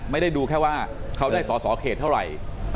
ไม่ได้ดูแค่ว่าเขาได้สอสอเขตเท่าไหร่